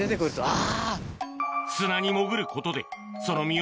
あ！